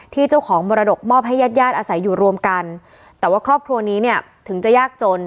ที่เจ้าของมรดกมอบให้ญาติญาติอาศัยอยู่รวมกันแต่ว่าครอบครัวนี้เนี่ยถึงจะยากจน